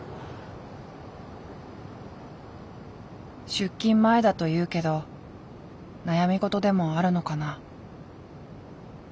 出勤前だというけど悩み事でもあるのかな？